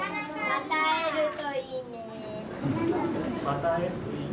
また会えるといいね。